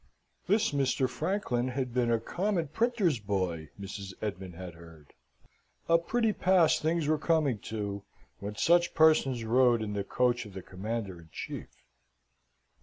This Mr. Franklin had been a common printer's boy, Mrs. Esmond had heard; a pretty pass things were coming to when such persons rode in the coach of the Commander in Chief!